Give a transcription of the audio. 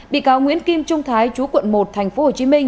bị cáo nguyễn kim trung thái chú quận một tp hcm